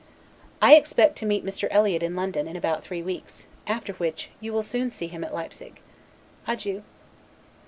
I expect to meet Mr. Eliot in London, in about three weeks, after which you will soon see him at Leipsig. Adieu.